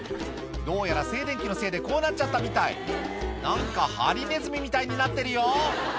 どうやら静電気のせいでこうなっちゃったみたい何かハリネズミみたいになってるよ